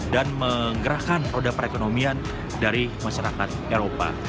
dan menggerahkan roda perekonomian dari masyarakat eropa